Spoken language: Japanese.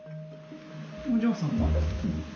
お嬢さんは？